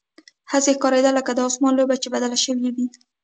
هسې ښکارېده لکه د اسمان لوبه چې بدله شوې وي.